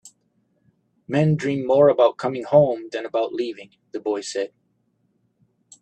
"Men dream more about coming home than about leaving," the boy said.